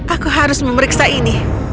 aku harus memeriksa ini